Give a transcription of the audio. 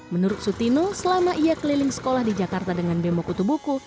menurut sutino selama ia keliling sekolah di jakarta dengan bembok utubuku